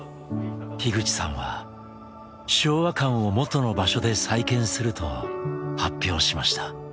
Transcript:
口さんは昭和館を元の場所で再建すると発表しました。